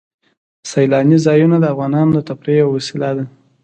سیلانی ځایونه د افغانانو د تفریح یوه وسیله ده.